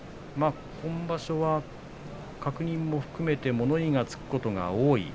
今場所は確認も含めて物言いがつくことが多い。